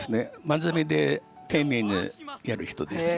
真面目で丁寧にやる人です。